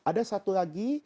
ada satu lagi